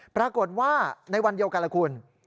ปรากฏว่าในวันเดียวกันล่ะคุณ